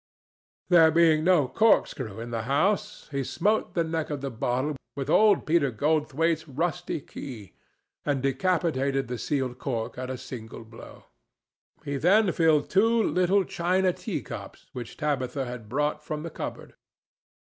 There being no corkscrew in the house, he smote the neck of the bottle with old Peter Goldthwaite's rusty key, and decapitated the sealed cork at a single blow. He then filled two little china teacups which Tabitha had brought from the cupboard.